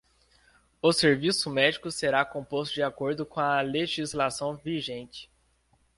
O serviço médico será composto de acordo com a legislação vigente.